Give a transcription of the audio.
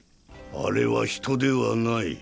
あれは人ではない。